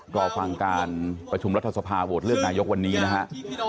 รอฟังการประชุมรัฐสภาโหวตเลือกนายกวันนี้นะฮะ